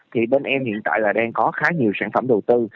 thì bên em hiện tại là đang có khá nhiều sản phẩm đầu tư